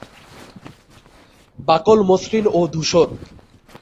বাকল মসৃণ ও ধূসর।